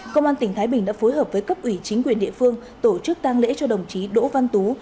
công an tỉnh thái bình đã phối hợp với cấp ủy chính quyền địa phương tổ chức tăng lễ cho đồng chí đỗ văn tú